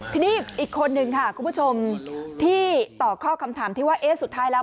ทีนี้อีกคนนึงค่ะคุณผู้ชมที่ต่อข้อคำถามที่ว่าเอ๊ะสุดท้ายแล้ว